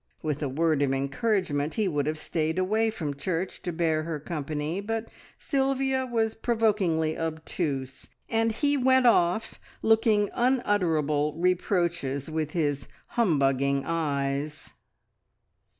With a word of encouragement he would have stayed away from church to bear her company, but Sylvia was provokingly obtuse, and he went off looking unutterable reproaches with his "humbugging eyes."